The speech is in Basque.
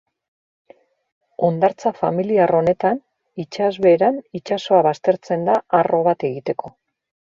Hondartza familiar honetan, itsasbeheran, itsasoa baztertzen da arro bat egiteko.